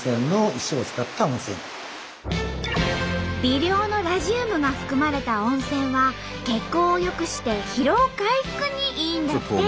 微量のラジウムが含まれた温泉は血行を良くして疲労回復にいいんだって！